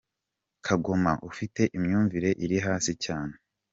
Kagoma, ufite imyumvire iri hasi cyane.